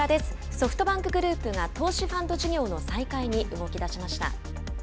ソフトバンクグループが投資ファンド事業の再開に動きだしました。